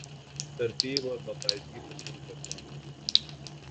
ترتیب اور باقاعدگی پسند کرتا ہوں